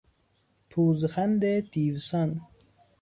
پوزخند دیوسان